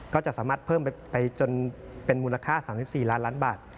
ก็จะสามารถเพิ่มไปจนเป็นมูลค่า๓๔ล้านล้านบาท